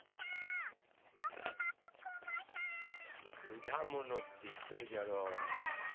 くだものっていっとるじゃろう。